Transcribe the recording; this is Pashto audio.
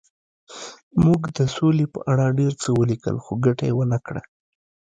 موږ د سولې په اړه ډېر څه ولیکل خو ګټه یې ونه کړه